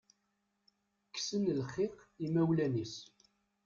Kksen lxiq imawlan-is.